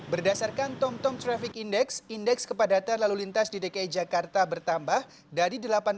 berdasarkan tomtom traffic index indeks kepadatan lalu lintas di dki jakarta bertambah dari delapan